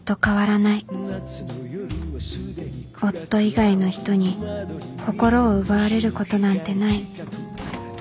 夫以外の人に心を奪われることなんてない